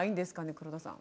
黒田さん。